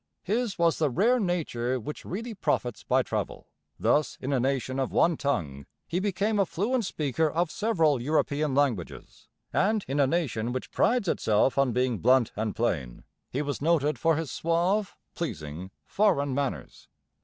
His was the rare nature which really profits by travel. Thus, in a nation of one tongue, he became a fluent speaker of several European languages; and, in a nation which prides itself on being blunt and plain, he was noted for his suave, pleasing, 'foreign' manners.